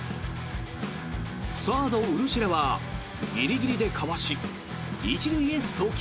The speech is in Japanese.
サード、ウルシェラはギリギリでかわし１塁へ送球。